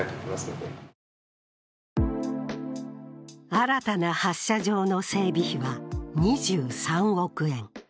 新たな発射場の整備費は２３億円。